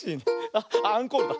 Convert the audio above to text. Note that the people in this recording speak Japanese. あっアンコールだ。